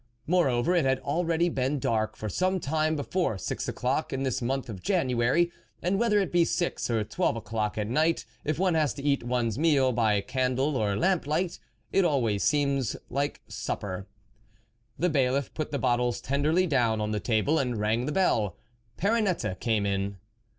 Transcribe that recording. Moreover, it had already been dark for some time before six o'clock, in this month of January, and whether it be six, or twelve o'clock at night, if one has to eat one's meal by candle or lamp light, it always seems to one like supper. The Bailiff put the bottles tenderly down on the table and rang the bell. Perrinette came in.